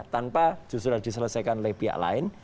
tanpa justru sudah diselesaikan oleh pihak lain